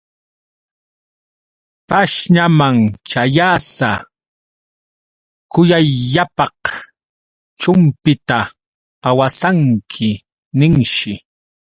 Pashñaman ćhayasa: Kuyayllapaq chumpita awasanki, ninshi.